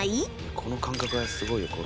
この感覚がすごいよこの。